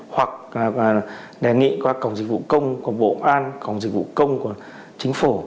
hoặc đề nghị qua cổng dịch vụ công của bộ an cổng dịch vụ công của chính phủ